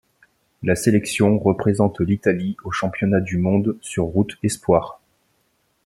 La sélection représente l'Italie aux championnats du monde sur route espoirs.